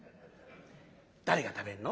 「誰が食べるの？」。